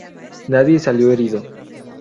Nadie salió herido.